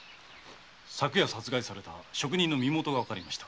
昨夜殺害された職人の身元がわかりました。